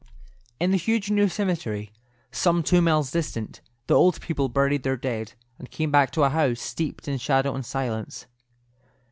In the huge new cemetery, some two miles distant, the old people buried their dead, and came back to a house steeped in shadow and silence.